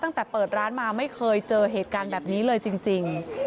ตั้งแต่เปิดร้านมาไม่เคยเจอเหตุการณ์แบบนี้เลยจริง